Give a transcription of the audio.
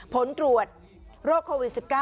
ผลตรวจโรคโควิด๑๙